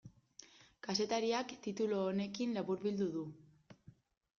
Kazetariak titulu honekin laburbildu du.